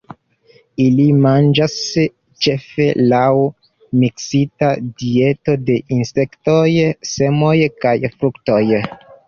Ili manĝas ĉefe laŭ miksita dieto de insektoj, semoj kaj fruktoj.